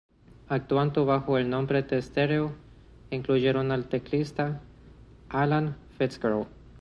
Actuando bajo el nombre de "Stereo", incluyeron al teclista Alan Fitzgerald.